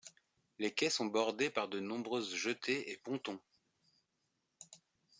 Les quais sont bordés par de nombreuses jetées et pontons.